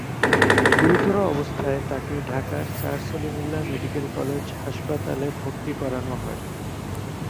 গুরুতর অবস্থায় তাঁকে ঢাকার স্যার সলিমুল্লাহ মেডিকেল কলেজ হাসপাতালে ভর্তি করানো হয়।